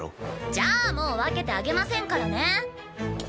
じゃあもう分けてあげませんからね。